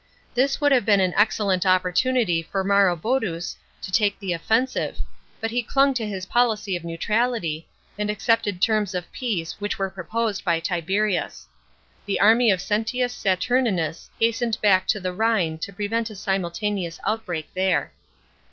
This would have been an excellent opportunity for Marohoduus to take the offensive, but he clung to his policy of neutrality, and accepted terms of peace which were proposed by Tiberius. The army of Sentius Saturninus hastened back to the Rhine to prevent a simultaneous outbreak there.